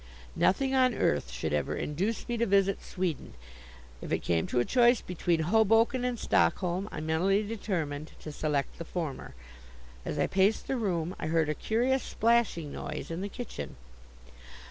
Nothing on earth should ever induce me to visit Sweden. If it came to a choice between Hoboken and Stockholm, I mentally determined to select the former. As I paced the room I heard a curious splashing noise in the kitchen.